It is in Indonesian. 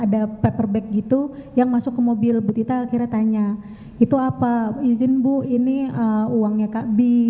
ada paper bag gitu yang masuk ke mobil bu tita akhirnya tanya itu apa izin bu ini uangnya kak b